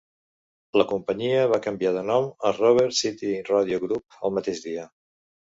La companyia va canviar de nom a Rubber City Radio Group el mateix dia.